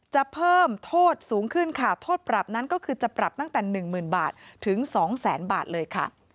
จะเพิ่มโทษสูงขึ้นค่ะโทษปรับนั้นก็คือจะปรับตั้งแต่๑๐๐๐บาทถึง๒แสนบาทเลยค่ะ